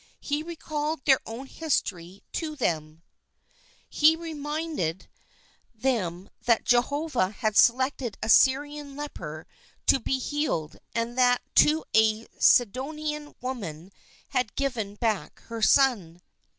He re called their own history to them. He reminded INTRODUCTION them that Jehovah had selected a Syrian leper to be healed and to a Sidonian woman had given back her son.